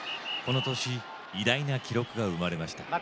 この年偉大な記録が生まれました。